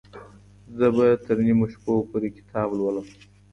زه به تر نیمو شپو پورې کتاب لولم.